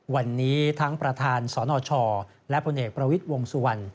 วันนี้ทั้งประธานสนชและพลเอกประวิทย์วงสุวรรณ